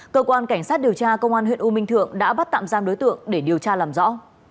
cơ quan cảnh sát điều tra công an huyện u minh thượng đã bắt tạm giam đối tượng để điều tra làm rõ